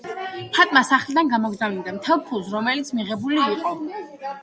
ფატმა სახლიდან გამოაგზავნიდა მთელ ფულს, რომელიც მიღებული იყო.